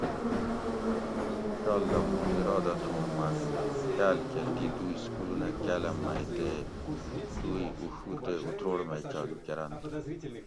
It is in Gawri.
انشأاللّہ مُوں اِرادہ تھُو اوں مۤہ کاۤل کۤہ دی دو اِسکولونہ کاۤلم مئ تے دو ای اُڛو تے اتروڑ مئ چالو کۤرنت